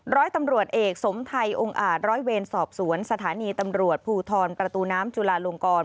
ร้อยตำรวจเอกสมไทยองค์อาจร้อยเวรสอบสวนสถานีตำรวจภูทรประตูน้ำจุลาลงกร